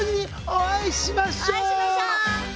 お会いしましょう。